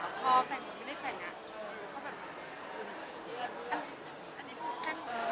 ก็ชอบแบบนี้ดีกว่า